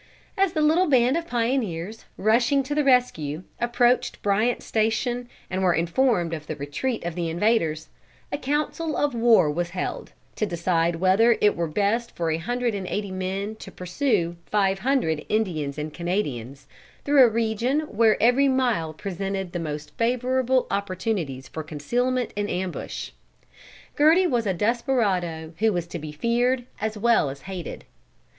As the little band of pioneers, rushing to the rescue, approached Bryant's Station and were informed of the retreat of the invaders, a council of war was held, to decide whether it were best for a hundred and eighty men to pursue five hundred Indians and Canadians, through a region where every mile presented the most favorable opportunities for concealment in ambush. Gerty was a desperado who was to be feared as well as hated.